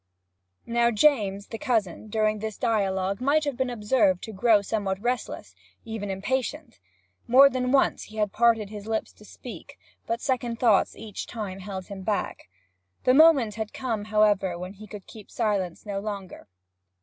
Now James, the cousin, during this dialogue might have been observed to grow somewhat restless, and even impatient. More than once he had parted his lips to speak, but second thoughts each time held him back. The moment had come, however, when he could keep silence no longer.